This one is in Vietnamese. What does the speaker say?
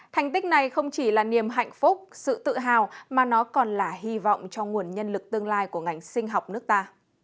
thành tích này không chỉ là niềm hạnh phúc sự tự hào mà nó còn là hy vọng cho nguồn nhân lực tương lai của ngành sinh học nước ta